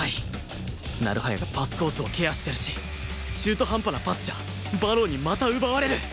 成早がパスコースをケアしてるし中途半端なパスじゃ馬狼にまた奪われる